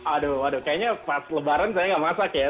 aduh waduh kayaknya pas lebaran saya gak masak ya